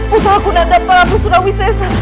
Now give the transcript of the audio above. putra aku nadat baratusura wisesa